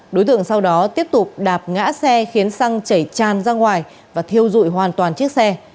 đối tượng sau đó tiếp tục đạp ngã xe khiến xăng chảy tràn ra ngoài và thiêu dụi hoàn toàn chiếc xe